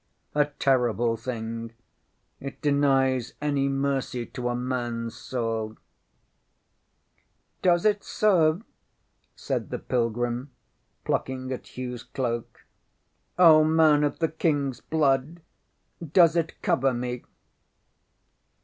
ŌĆÖ A terrible thing! It denies any mercy to a manŌĆÖs soul! ŌĆØ ŌĆśŌĆ£Does it serve? ŌĆØ said the pilgrim, plucking at HughŌĆÖs cloak. ŌĆ£Oh, man of the KingŌĆÖs blood, does it cover me?